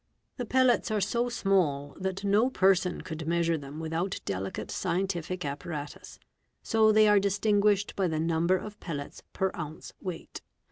The pellets are so small that no person could "Mheasure them without delicate scientific apparatus, so they are distin guished by the number of pellets per ounce weight.